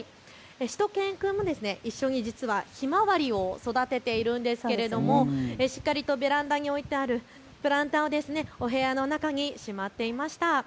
しゅと犬くんも一緒に実はひまわりを育てているんですがしっかりとベランダに置いてあるプランターをお部屋の中にしまっていました。